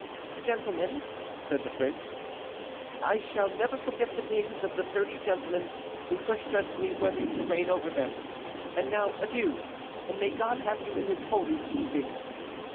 "Gentlemen," said the prince, "I shall never forget the names of the thirty gentlemen who first judged me worthy to reign over them; and now adieu, and may God have you in His holy keeping."